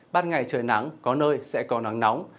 ban ngày trời nắng có nơi sẽ có nắng nóng